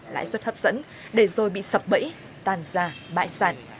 lãi suất hấp dẫn để rồi bị sập bẫy tàn ra bại sản